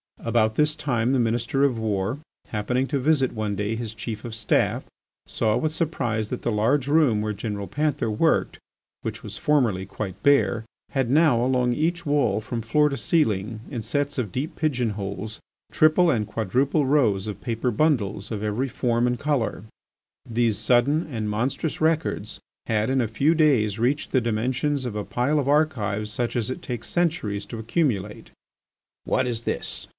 About this time the Minister of War happening to visit one day his Chief of Staff, saw with surprise that the large room where General Panther worked, which was formerly quite bare, had now along each wall from floor to ceiling in sets of deep pigeon holes, triple and quadruple rows of paper bundles of every as form and colour. These sudden and monstrous records had in a few days reached the dimensions of a pile of archives such as it takes centuries to accumulate. "What is this?"